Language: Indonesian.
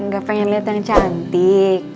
gak pengen lihat yang cantik